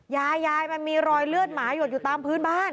ยายยายมันมีรอยเลือดหมาหยดอยู่ตามพื้นบ้าน